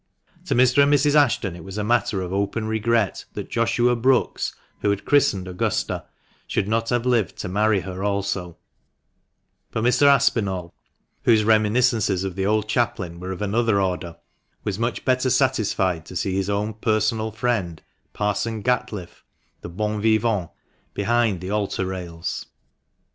To Mr. and Mrs. Ashton it was a matter of open regret that Joshua Brookes, who had christened Augusta, should not have lived to marry her also ; but Mr. Aspinall, whose reminiscences of the old chaplain were of another order, was much better satisfied to see his own personal friend, Parson Gatliffe, the bon vivant, behind the altar rails.